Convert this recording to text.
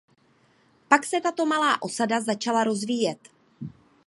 Pak se tato malá osada začala rozvíjet.